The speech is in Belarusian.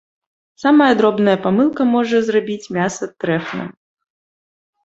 Самая дробная памылка можа зрабіць мяса трэфным.